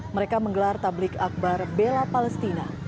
mereka menggelar tablik akbar bela palestina